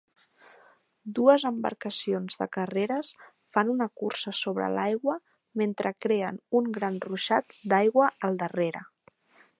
Dues embarcacions de carreres fan una cursa sobre l'aigua mentre creen un gran ruixat d'aigua al darrere